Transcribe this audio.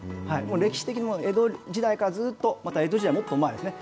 歴史的に江戸時代からずっと江戸時代よりもっと前ですね。